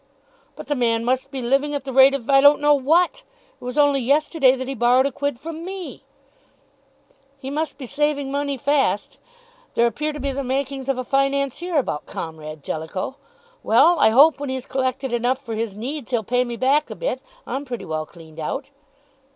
"But the man must be living at the rate of I don't know what. It was only yesterday that he borrowed a quid from me!" "He must be saving money fast. There appear to be the makings of a financier about Comrade Jellicoe. Well, I hope, when he's collected enough for his needs, he'll pay me back a bit. I'm pretty well cleaned out."